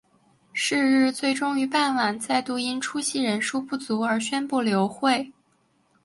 是日最终于傍晚再度因出席人数不足而宣布流会。